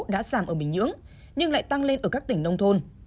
đã giảm ở bình nhưỡng nhưng lại tăng lên ở các tỉnh nông thôn